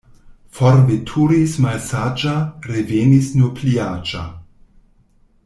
Forveturis malsaĝa, revenis nur pli aĝa.